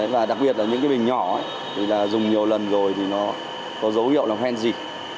và đặc biệt là những cái bình nhỏ thì là dùng nhiều lần rồi thì nó có dấu hiệu là hoen gì